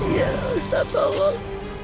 ya ustad tolong